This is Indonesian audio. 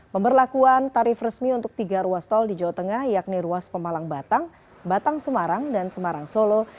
pemberlakuan tarif resmi untuk tiga ruas tol di jawa tengah yakni ruas pemalang batang batang semarang dan semarang solo